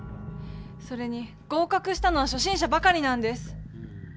それに合かくしたのはしょ心者ばかりなんです。